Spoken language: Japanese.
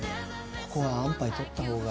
ここは安パイとった方が。